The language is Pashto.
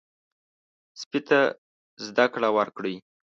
سپي ته زده کړه ورکړئ.